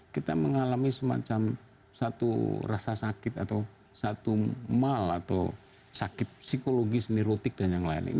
kita mengalami semacam satu rasa sakit atau satu mal atau sakit psikologis neurotik dan yang lain